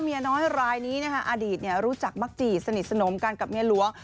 เมียน้อยรายนี้นะคะอดีตรู้จักมักจีสนิทสนมกันกับเมียหลวง